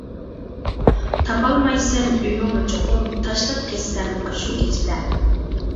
تاپالمايسەن ئۆيۈڭنى چوقۇم، تاشلاپ كەتسەم ئاشۇ كېچىدە.